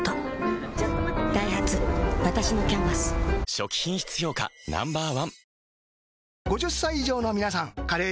初期品質評価Ｎｏ．１